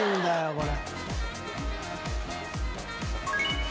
これ。